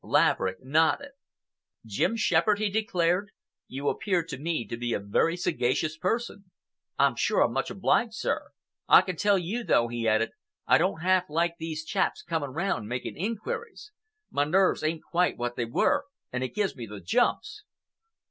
Laverick nodded. "Jim Shepherd," he declared, "you appear to me to be a very sagacious person." "I'm sure I'm much obliged, sir; I can tell you, though," he added, "I don't half like these chaps coming round making inquiries. My nerves ain't quite what they were, and it gives me the jumps."